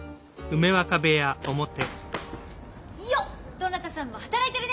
どなたさんも働いてるね！